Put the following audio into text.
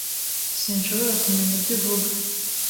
Sinshobora kumenya ibyo uvuga.